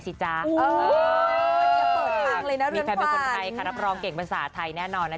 สุดฤทธิ์